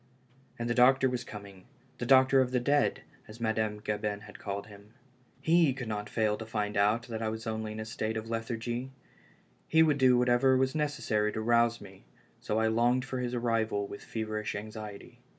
And the doctor was coming — the doctor of the dead, as Madame Gabin had called him. lie could not fail to find out that I was only in a state of lethargy ; he would do whatever was necessary to rouse me, so I longed for his arrival with feverish anxiety.